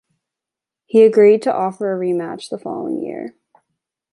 He agreed to offer a rematch the following year.